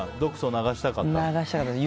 流したかったです。